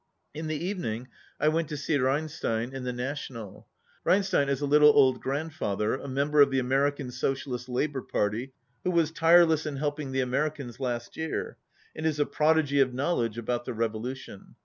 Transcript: In the evening I went to see Reinstein in the National. Reinstein is a little old grandfather, a member of the American Socialist Labour Party, who was tireless in helping the Americans last year, and is a prodigy of knowledge about the rev olution.